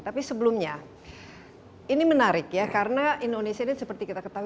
tapi sebelumnya ini menarik ya karena indonesia ini seperti kita ketahui